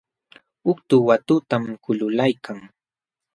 Utku watutam kululaykan.